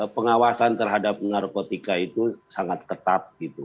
pengawasan terhadap narkotika itu sangat ketat